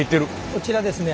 こちらですね